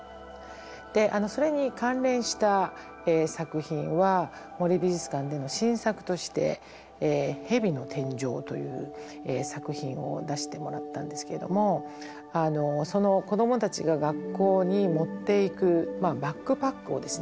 それに関連した作品は森美術館での新作として「蛇の天井」という作品を出してもらったんですけどもその子どもたちが学校に持っていくバックパックをですね